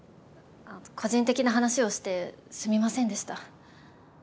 個人的な話をしてすみませんでした。